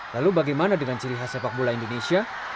lalu bagaimana dengan ciri khas sepak bola indonesia